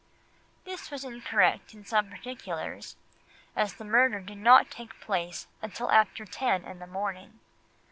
This was incorrect in some particulars, as the murder did not take place until after ten in the morning.